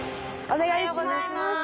お願いします。